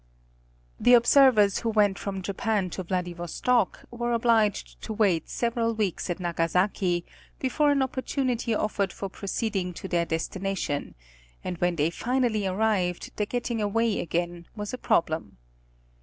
The observers who went from Japan to Vladivostok were obliged to wait several weeks at Nagasaki, before an opportunity offered for proceeding to their destination, and when they finally arrived, the getting away again was a problem.